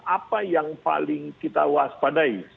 apa yang paling kita waspadai